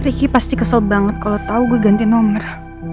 riki pasti kesel banget kalo tau gue ganti nomor